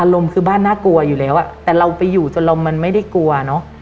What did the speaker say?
อารมณ์คือบ้านน่ากลัวอยู่แล้วแต่เราไปอยู่จนเรามันไม่ได้กลัวเนอะ